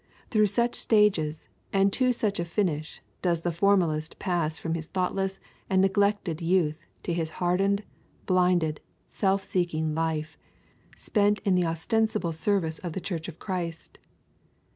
Through such stages, and to such a finish, does the formalist pass from his thoughtless and neglected youth to his hardened, blinded, self seeking life, spent in the ostensible service of the church of Christ.